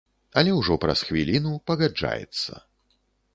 Але ўжо праз хвіліну пагаджаецца.